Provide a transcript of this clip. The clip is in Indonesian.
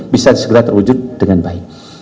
bisa segera terwujud dengan baik